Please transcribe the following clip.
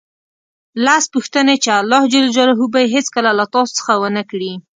لس پوښتنې چې الله ج به یې هېڅکله له تاسو څخه ونه کړي